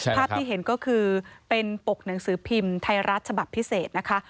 ภาพที่เห็นก็คือเป็นปกหนังสือพิมพ์ไทยรัฐฉบับพิเศษนะคะ